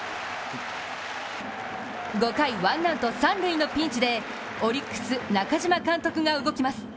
５回、ワンアウト三塁のピンチでオリックス・中嶋監督が動きます。